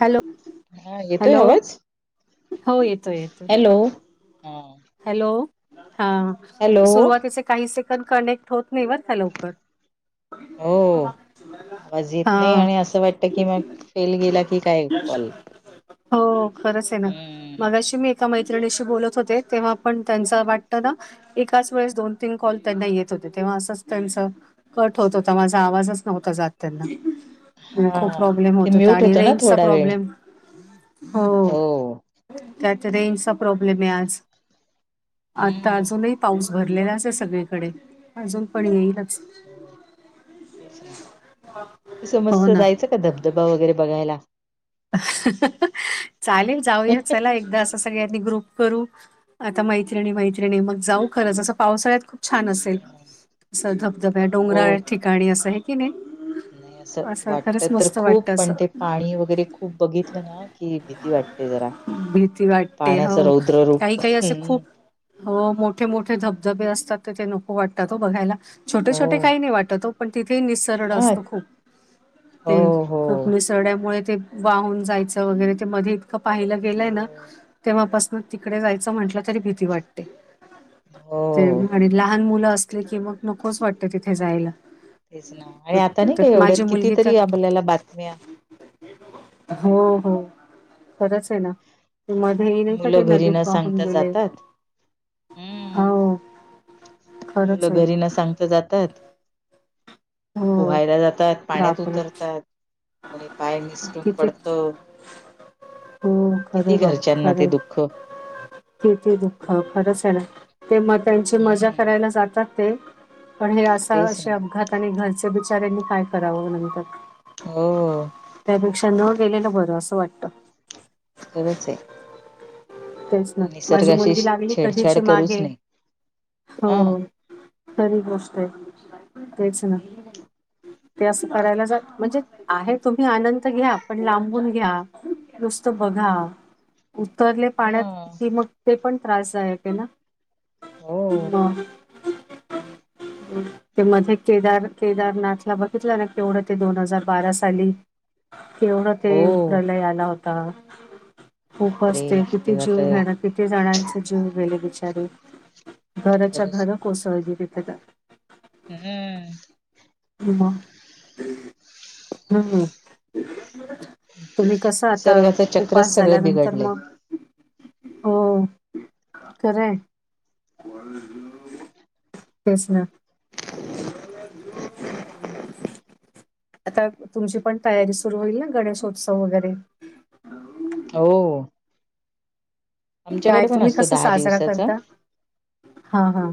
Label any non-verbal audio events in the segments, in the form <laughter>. Hello हा येतोय hello आवाज? हो येतोय येतोय हॅलो. हा हॅलो हा हॅलो सुरुवातीचे काही सेकंड कनेक्ट होत नाही बर का लवकर. हो आवाज येत हा नाही आणि असं वाटत की मग फेल गेला की काय कॉल. हो खरंच आहे ना हम्म मगाशी मी एका मैत्रिणीशी बोलत होते. तेव्हा पण त्यांचा वाटत ना, एकाच वेळेस दोन तीन कॉल त्यांना येत होते तेव्हा असंच त्यांच. कट होत होता माझा आवाजच नव्हता जात त्यांना. आणि खूप हा प्रॉब्लेम ते होत होता म्यूट आणि ना रिंग्जचा थोडा वेळ प्रॉब्लेम. हो त्यात रेंजचा प्रॉब्लेम आहे आज. आता हम्म अजूनही पाऊस भरलेलाच आहे सगळीकडे अजून पण येईलच. त सं हो मस्त ना <unintelligible> जायचं कदम डबा वगैरे बघायला. चालेल जाऊया चला एकदाच. सगळ्यांनी ग्रुप करू आता मैत्रिणी मैत्रिणी मग जाऊ खरंच असं पावसाळ्यात खूप. छान असेल असं धबधब्या हो डोंगरा ठिकाणी असं हे. की नाही नाही असं वाटत खरंच तर मस्त खूप वाटतं पण असं. ते पाणी वगैरे खू ''--'' खूप बघितलं ना की भीती वाटते जरा. भीती वाटते पाण्याचं हो रौद्र काही रूप. काही असे खूप. हो मोठे मोठे धबधबे असतात ते ते नको वाटतात का बघायला. छोटे हो छोटे काही नाही वाटतो पण तिथे निसरळ हा असतो खूप हो ते. हो क मिसड्यामुळे ते वाहून जायचं वगैरे ते मधी. त पाहिलं गेलंय ना हो. तेव्हापासून तिकडे जायचं म्हटलं तरी भीती वाट ''--'' ते ते हो आणि लहान मुलं असले की मग नकोच वाटत तिथे जायला. तेच ना आणि आता तर- नाही काय तर माझी एवढ्यात मुलगी तर कितीतरी आपल्याला बातम्या. हो हो, खरंच आहे ना, ते मध्येही नाही का ते मुलं घरी न नदीत वाहून सांगता गेले जातात. हम्म, हो मुलं खरंच आहे घरी ना सांगता जातात. हो पोहायला जातात पाण्यात बापरे उतरतात कोणी पाय निसटून किती पडत. हो खरे किती बाप घरच्यांना ते खरे दुःख. किती दुःख खरंच आहे ना ते मग त्यांची मजा हम्म करायला जातात. ते पण हे असा तेच ना असे अपघात आणि घरचे बिचाऱ्यांनी काय करावं नंतर. अ, त्यापेक्षा न गेलेलं बरं असं वाटत. खरंच आहे. तेच ना माझी निसर्गाशी मुलगी लागली छेडछाड कधीची करूच मागे नाही हो. हा खरी गोष्ट आहे तेच ना. ते असं करायला जा म्हणजे आहे तुम्ही आनंद घ्या पण लांबून घ्या. नुसत बघा उत्तर ''--'' पाण्यात हा कि मग ते पण त्रासय ते ना, हो ते मध्ये केदार केदारनाथला बघितलं ना केवढं ते दोन हजार बारा साली. केवढं ते हो प्रलय आला होता. खूप बापरे असते किती तेव्हा जीव तर घेण्या. किती जणांचे जीव गेले बिचारे घराच्या खरंच घर कोसळली तिथे तर. अ हम्म, की मग हम्म, तुम्ही कसं आता निसर्गाचं चक्रच उपास सगळं झाल्यानंतर बिघडलंय मग. हो खरं आहे. तेच ना, <inaudible> आता तुमची पण तयारी सुरू होईल ना, गणेशोत्सव वगैरे. हो. काय आमच्याकडे पण तुम्ही असतो कसं दहा साजरा दिवसाचा करता. हा हा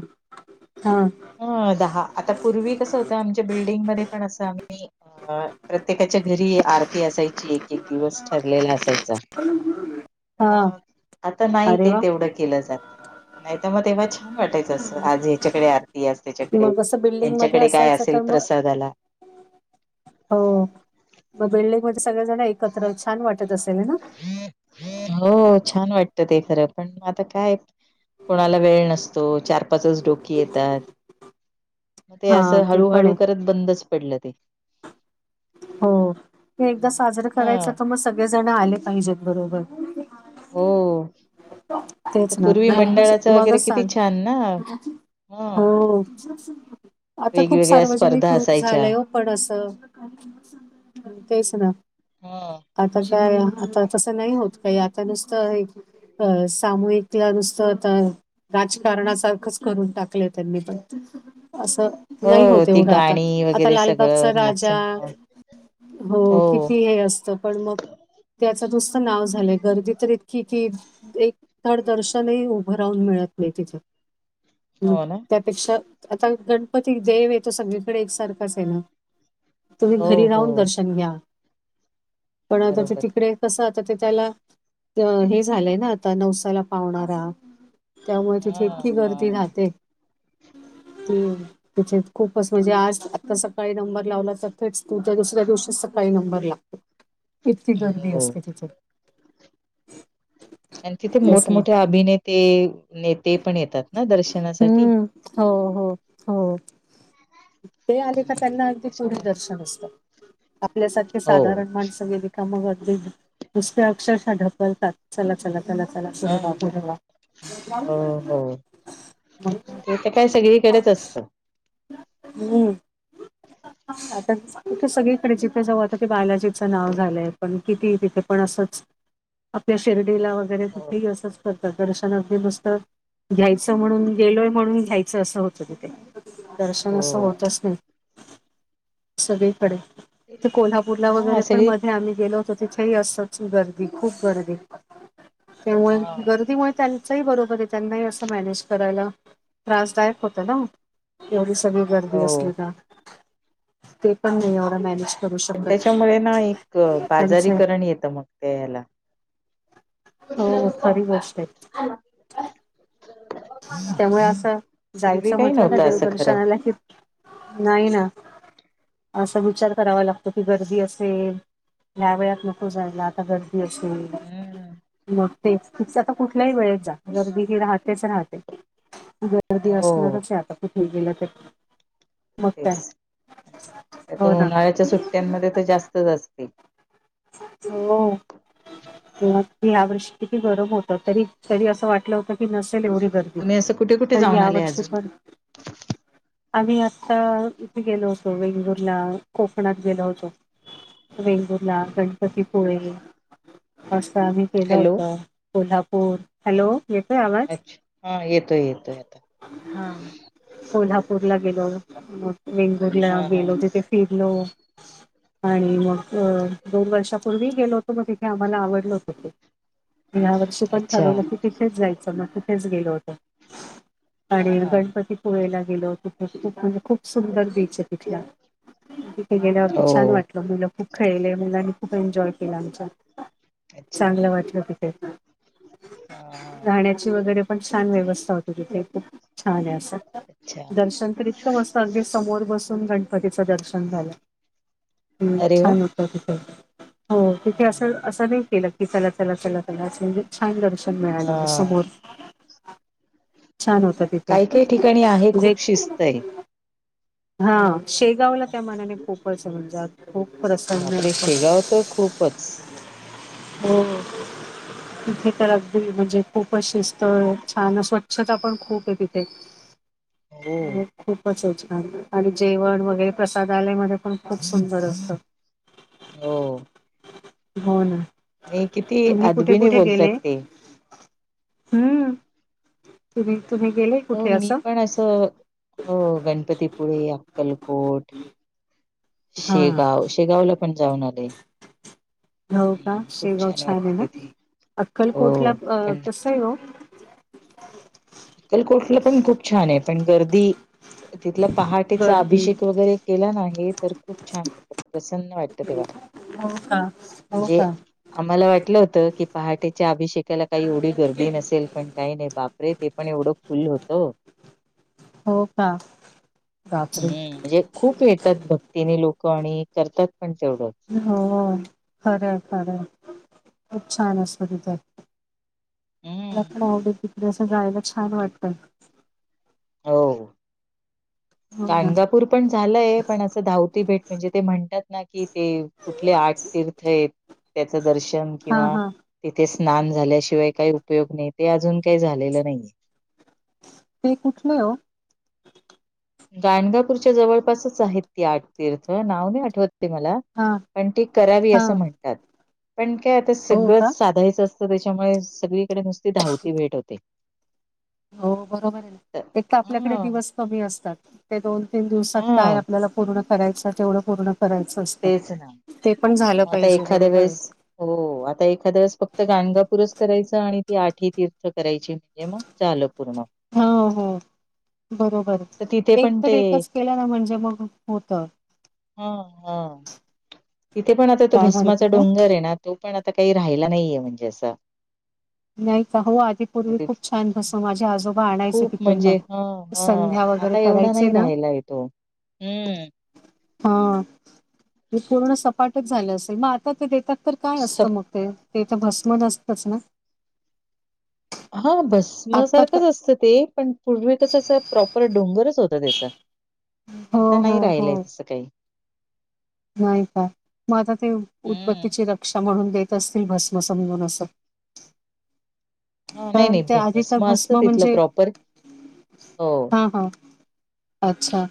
हा, अ दहा आता पूर्वी कसं होतं आमच्या बिल्डिंगमध्ये पण असं आम्ही अ प्रत्येकाच्या घरी आरती असायची. एक एक दिवस ठरलेला असायचा. हा आता नाही अरे ते वा तेवढं केलं जात नाही तर मग तेव्हा छान वाटायचं असं आज ह्याच्याकडे आरती आज त्याच्याकडे मग असं बिल्डिंग मध्ये ह्याच्याकडे काय असायचं असेल तर मग प्रसादाला हो मग बिल्डिंगमध्ये सगळेजण एकत्र छान वाटत असेल ना, हो छान वाटत ते खरं पण आता काय कोणाला वेळ नसतो. चार पाचच डोकी येतात. मग ते हा असं ते पण हळूहळू आहे करत बंदच पडलं ते. हो ते एकदा साजरां हा करायचा तर मग सगळे जण आले पाहिजेत बरोबर. हो त तेच ना पूर्वी मगच मंडळाचं वगैरे मगच किती सांग छान ना, ह हो आता खूप वेगवेगळ्या स्पर्धा सार्वजनिक रूप असायच्या झालंय हो. पण असं तेच ना, हा, आताच्या आता तसं नाही होत काही आता नुसतं हे सामूहिकला नुसतं आता राजकारणासारखंच करून टाकलं त्यांनी पण असं नाही हो होत ती एवढं आता गाणी आता वगैरे लालबागचा सगळं राजा नाचणं हो किती हे अस चपळ मग त्याच नुसतं नाव झालंय गर्दी तर इतकी कि एक धड दर्शनही उभं राहून मिळत नाही तिथं मग हो ना त्यात पेक्षा आता गणपती देव आहे तो सगळीकडे एकसारखाच आहे ना, तुम्ही हो घरी हो राहून दर्शन घ्या. पण आता ते बरोबर तिकडे कसं आता ते त्याला हे झालंय ना आता नवस नवसाला पावणारा त्यामुळे हा तिथे इतकी हा गर्दी राहते. हम्म, तिथे खूपच म्हणजे आज आता सकाळी नंबर लावला तर तेच तुमचा दुसऱ्या दिवशी सकाळी नंबर लागतो. <inaudible> इतकी गर्दी हो असते तिथे. आणि तिथे तेच ना. मोठमोठे अभिनेते नेते पण येतात ना दर्शनासाठी. हम्म. हो हो हो. ते आले का हम्म त्यांना अगदी पुढे त्याच्यामुळे दर्शन असतं. आपल्यासारखे हो साधारण माणसं गेली का मग अगदी नुसत्या अक्षरशः ढकलतात चला चला चला, चला हा पुढं पुढं व्हा. हो हो मग ते काय सगळीकडेच असतं. हम्म, आता कुठं सगळीकडे जिथे जाऊ आता बालाजी चं नाव झालंय पण किती तिथे पण असंच, आपल्या शिर्डीला वगैरे हो कुठेही असंच. दर्शन अगदी मस्त घ्यायचं म्हणून गेलोय म्हणून घ्यायचं असं होतं तिथे. दर्शन असं हो होतच नाही सगळीकडे. ते कोल्हापूरला वगैरे हा पण सगळी मध्ये आम्ही गेलो. त तिथेही असंच गर्दी खूप गर्दी त्यामुळे हा गर्दीमुळे त्यां त्यांचही बरोबर आहे. त्यांना असं मॅनेज करायला त्रासदायक होत ना. एवढी स गळी गर्दी हो असली का. ते पण नाही एवढ मॅनेज करू पण शकत त्याच्यामुळे ना एक त्यांच बाजारीकरण येतं मग त्या हेला. हो खरी गोष्ट आहेत. त्यामुळे असं पूर्वी जायचं काही म्हटलं का नव्हतं असं खरं. देवदर्शनाला कि, नाही ना. असा विचार करावा लागतो की, गर्दी असेल ह्या वेळात नको जायला. आता गर्दी तेच हम्म. म्हटलं, मग तेच की आता कुठल्याही वेळेत जा गर्दी ही राहतेच राहते. गर्दी हो असणारच आहे आता कुठे गेलं तर, मग काय हो आता ना उन्हाळ्याच्या सुट्टयांमध्ये तर जास्तच असते. हो. मग ह्या वर्षी किती गरम होत. तरी तरी असं वाटलं होतं की नसेल एवढी गर्दी तुम्ही असं कुठे कुठे तरी जाऊन आले ह्यावर्षी अजून? पण आम्ही आत्ता इथे गेलो होतो वेंगलूरला. कोकणात गेलो होतो. वेंगुर्ल ला, गणपतीपुळे असं आम्ही केलं हॅलो होत. कोल्हापूर, हा हॅलो, येतोय आवाज? अच्छा हा येतोय येतोय आता. हा कोल्हापूर ला गेलो. मग वेंगुर ला हा हा गेलो. तिथे फिरलो आणि मग दोन वर्षापूर्वी गेलो होतो. मग तिथे आम्हाला आवडल होत ते. ह्या वर्षी पण अच्छा ठरवलं की, तिथेच जायचं. मग तिथेच गेलो होतो. हा आणि हा गणपतीत पुळेला गेलो होतो. तिथ खूप म्हणजे खूप सुंदर बीच आहे तिथला हे गेल्यावरती छान हो वाटलं. मुलं खूप खेळले मुलांनी खूप एन्जॉय केला आमच्या. अच्छा चांगलं वाटलं तिथे. हा हा. गाण्या राहायची वगैरे पण छान व्यवथा हो तिथे. खूप छान आहे असं. अच्छा दर्शन तर इतकं मस्त अगदी समोर बसून गणपतीचं दर्शन झालं. हम्म, अरे वा छान होत ते. हो तिथे हा असं हा. असं नाही केलं की, चला चला चला चला असं म्हणजे, छान दर्शन मिळालं. हा समोर छान होत. तिथे काय काही ठिकाणी आहे म्हणजे खूप शिस्त आहे. हा शेगावला त्या मनाने पोकळस म्हणून जात. खूप प्रसन्न बापरे होत. शेगाव तर खूपच. हो हो. तिथे तर अगदी म्हणजे खूप अशी स्थळ छान, स्वच्छता पण खूप आहे तिथे. <inaudible> हो. खूपच आणि जेवण वगैरे प्रसादालयमध्ये पण खूप सुंदर असतं. हो. हो ना. आणि किती तुम्ही कुठे आदरीने कुठे बोलतात गेले ते. हम्म. तुम्ही तुम्ही गेले? हो. कुठे मी असं पण असं हो गणपतीपुळे, अक्कलकोट हा शेगाव शेगावला पण जाऊन आले. हो का ह खूप शेगाव छान वाटत आहे ना तिथे. हो. पण, हॅलो. अक्कलकोटला पण खूप छान आहे. पण गर्दी तिथलं पहाटेचा गर्दी अभिषेक वगैरे, केला ना तर खूप छान वाटतं. प्रसन्न वाटत तेव्हा. हो का हो म्हणजे, का आम्हाला वाटलं होतं की पहाटेच्या अभिषेकाला काही एवढी गर्दी नसेल पण काही नाही बापरे ते पण एवढं फुल होत हो का बापरे हम्म म्हणजे खूप येतात भक्तीनी लोक आणि करतात पण तेवढं. हो खरंय खरंय खूप छान असत तिथ. मला हम्म. प आवडे तिकडे असं जायला छान वाटतय. हो. हो ना गाणगापूर पण झालंय पण असं धावती भेट म्हणजे ते म्हणतात ना कि कि ते कुठले आठ तिर्थ यत त्याच दर्शन हा किंवा हा तिथे स्नान झाल्याशिवाय काही उपयोग नाही ते अजून काही झालेलं नाहीये. ते कुठलय ओ? गाणगापूरच्या जवळपासच आहेत ती आठ तिर्थ नाव नाही आठवत ते मला. हा पण ती करावी हा असं म्हणतात पण काय आता हो का सगळंच साधायचं अस त त्याच्यामुळे सगळीकडे नुसती धावती भेट होते. हो बरोबर आहे एक तर आपल्याकडे दिवस कमी असतात ते दोन तीन दिवसात काय हा आपल्याला पूर्ण करायच तेवढं पूर्ण करायचं असतं तेच ना. ते पण झालं मग आता पाहिजे एखाद्या बरोबर. वेळेस हो. आता एखाद्या वेळेस फक्त गाणगापूरच करायचं आणि ती आठ ही तीर्थ करायची म्हणजे मग झालं पूर्ण. हा हो बरोबर तर तिथे एक पण तर ते एकच केलं ना म्हणजे मग होत. हा हा. तिथे पण आता तो काय म्हणत भस्माचा होत्या डोंगर आहे ना तो पण आता काही राहिला नाहीे म्हणजे असं. नाही का हो आधी पूर्वी खूप छान भस माझे आजोबा आणायचे तिकडनं. ह संध्या वगैरे आता एवढा करायचे नाही ना राहिलाय तो हम्म. हा ते पूर्ण सपाटच झालं असेल मग आता ते देतात? तर काय असतं सप मग ते ते इथं भस्म असतच ना? हा आता तर भस्मसारखंच असतं ते पण पूर्वी कस अस प्रॉपर डोंगरच होता त्याचा. हो आता नाही हो हो राहिलय तसं काही. नाही काय मग आता ते हम्म उदबत्तीची रक्षा म्हणून देत असतील भस्म समजून असं. हा नाही कारण नाही ते भ- आदिता असतं भस्म तिथलं म्हणजे प्रॉपर हो हा हा. अच्छा.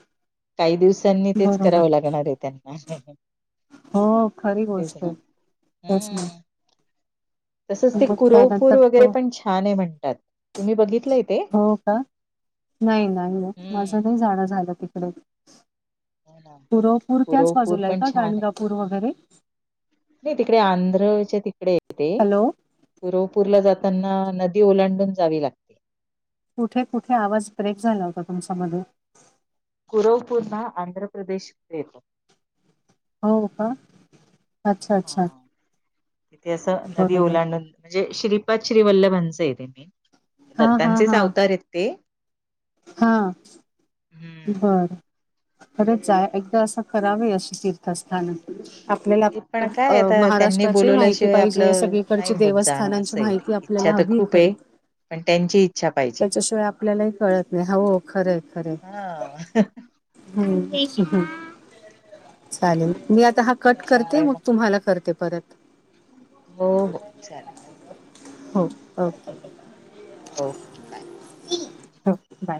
काही दिवसांनी तेच बरोबर करावं लागणार आहे त्यांना. हो खरी तेच गोष्ट ना आहे तेच न. तसंच ते कुरवपूर तो वगैरे पण छान आहे म्हणतात तुम्ही बघितलंय ते? हो का. नाही नाही ना हम्म माझं नाही जाणं झालं तिकडे? हो ना गुरवपूर त्याच कुरवपूर बाजूला आहे पण का छान आहे गाणगापूर वगैरे? नाही तिकडे आंध्रच्या तिकडे य ते. हॅलो गुरवपूरला जाताना नदी ओलांडून जावी लागते. कुठे कुठे आवाज ब्रेक झाला होता तुमचा मध्ये. कुरवपूर ना आंध्र प्रदेश कडे येत. हो का अच्छा अच्छा. तिथे असं नदी बरोबर ओलांडून म्हणजे श्रीपाद श्रीवल्लभांचं आहेे ते मे हा हा दत्तांचेच हा अवतार आहेत ते. हा. हम्म. बरं खरंच जा एकदा असं करावें अशी तीर्थस्थान. आपल्याला, ते पण काय अ आता त्यांनी महाराष्ट्राची माहिती बोलवल्याशिवाय पाहिजे आपलं नाही सगळीकडची होत जाणं देवस्थानांची असं आहे ते. माहिती आपल्याला इच्छा तर हवी खूप खरी? आहे पण त्यांची इच्छा पाहिजे त्याच्याशिवाय आपल्यालाही कळत नाही हाव खरं आहे खर आहे. हा हम्म अहं, चालेल मी आता हा कट करते मग तुम्हाला करते. परत हो हो चालेल. हो ओके. ओ. हो बाय